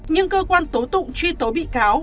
nhưng cơ quan tố tụng truy tố bị cáo